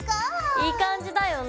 いい感じだよね。